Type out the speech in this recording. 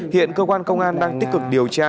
hiện cơ quan công an đang tích cực điều tra